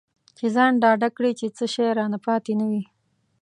چې ځان ډاډه کړي چې څه شی رانه پاتې نه وي.